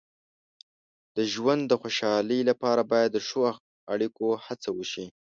د ژوند د خوشحالۍ لپاره باید د ښو اړیکو هڅه وشي.